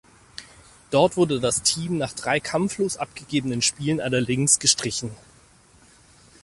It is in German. Dort wurde das Team nach drei kampflos abgegebenen Spielen allerdings gestrichen.